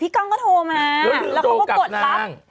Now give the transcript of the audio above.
พี่ก้องก็โทรมาแล้วก็กดรับ